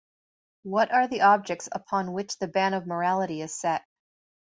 What are the objects upon which the ban of morality is set?